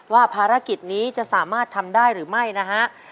ว่าภารกิจนี้จะสามารถทำได้หรือไม่นะฮะ